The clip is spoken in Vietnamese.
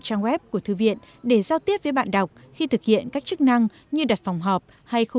trang web của thư viện để giao tiếp với bạn đọc khi thực hiện các chức năng như đặt phòng họp hay không